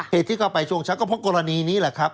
เหตุที่เข้าไปช่วงเช้าก็เพราะกรณีนี้แหละครับ